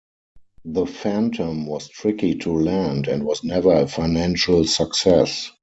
The Phantom was tricky to land, and was never a financial success.